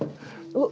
おっ。